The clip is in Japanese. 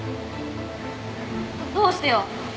どうしてよ！？